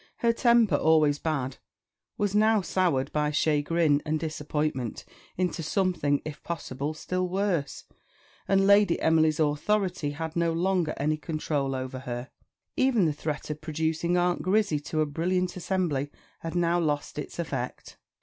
Her temper, always bad, was now soured by chagrin and disappointment into something, if possible, still worse, and Lady Emily's authority had no longer any control over her; even the threat of producing Aunt Grizzy to a brilliant assembly had now lost its effect.